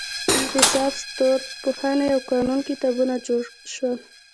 د حساب، ستورپوهنې او قانون کتابونه جوړ شول.